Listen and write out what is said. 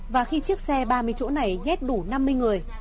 và khi chiếc xe ba mươi chỗ này nhét đủ năm mươi người